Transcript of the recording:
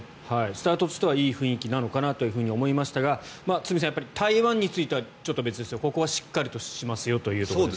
スタートとしてはいい雰囲気なのかなと思いましたが台湾についてはちょっと別ですがここはしっかりとしますよと。